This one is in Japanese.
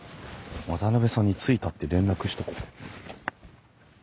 渡さんに着いたって連絡しとこ。